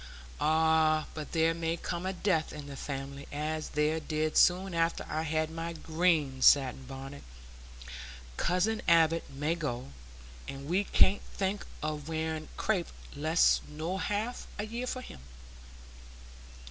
"Ah! but there may come a death in the family, as there did soon after I had my green satin bonnet. Cousin Abbott may go, and we can't think o' wearing crape less nor half a year for him."